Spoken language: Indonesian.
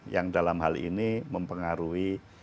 yang dalam hal ini mempengaruhi